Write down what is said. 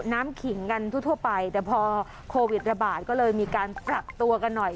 ขิงกันทั่วไปแต่พอโควิดระบาดก็เลยมีการปรับตัวกันหน่อย